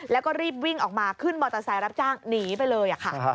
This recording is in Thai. แล้วก็รีบวิ่งออกมาขึ้นมอเตอร์ไซค์รับจ้างหนีไปเลยค่ะ